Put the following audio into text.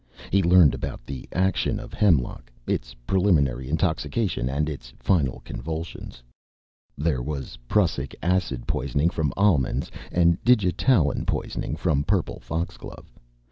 He learned about the action of hemlock its preliminary intoxication and its final convulsions. There was prussic acid poisoning from almonds and digitalin poisoning from purple foxglove.